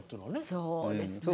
そうですね。